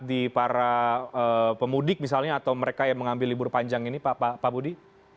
di para pemudik misalnya atau mereka yang mengambil libur panjang ini pak budi